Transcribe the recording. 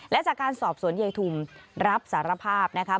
และจากการสอบสวนยายทุมรับสารภาพนะคะ